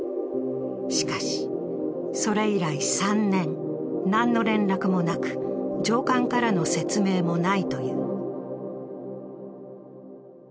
しかし、それ以来３年、何の連絡もなく上官からの説明もないという。